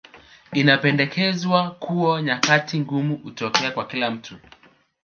Inapendekezwa kuwa nyakati ngumu hutokea kwa kila mtu